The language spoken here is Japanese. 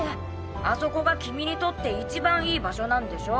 あそこが君にとって一番いい場所なんでしょ？